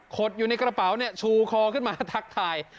ดอยู่ในกระเป๋าเนี่ยชูคอขึ้นมาทักทาย